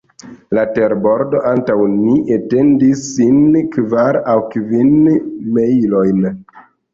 La terbordo antaŭ ni etendis sin kvar aŭ kvin mejlojn.